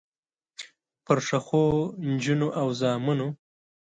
پرښخو، نجونو او زامنو